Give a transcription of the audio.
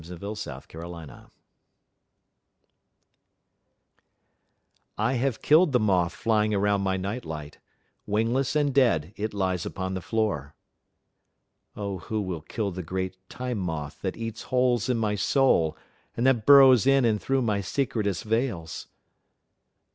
1922. Moth Terror I HAVE killed the moth flying around my night light; wingless and dead it lies upon the floor.(O who will kill the great Time Moth that eats holes in my soul and that burrows in and through my secretest veils!)